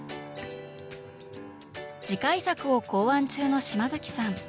次回作を考案中の嶋さん。